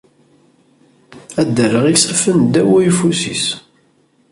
Ad rreɣ isaffen ddaw uyeffus-is.